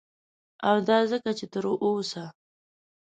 او دا ځکه چه تر اوسه